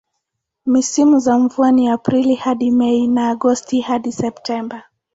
Misimu za mvua ni Aprili hadi Mei na Agosti hadi Septemba.